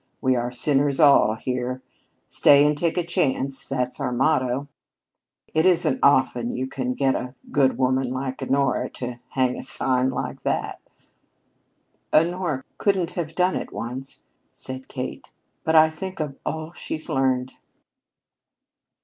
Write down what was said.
We are sinners all here. Stay and take a chance, that's our motto. It isn't often you can get a good woman like Honora to hang up a sign like that." "Honora couldn't have done it once," said Kate. "But think of all she's learned."